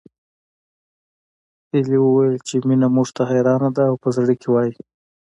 هيلې وويل چې مينه موږ ته حيرانه ده او په زړه کې وايي